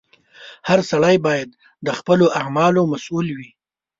• هر سړی باید د خپلو اعمالو مسؤل وي.